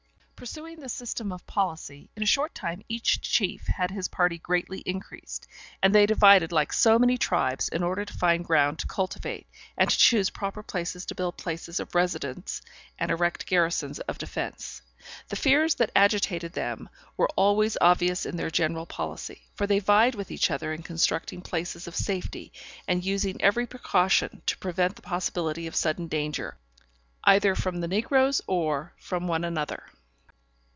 _] Pursuing this system of policy, in a short time each chief had his party greatly increased, and they divided like so many tribes, in order to find ground to cultivate, and to choose proper places to build places of residence and erect garrisons of defence. The fears that agitated them were always obvious in their general policy, for they vied with each other in constructing places of safety, and using every precaution to prevent the possibility of sudden danger, either from the negroes or from one another.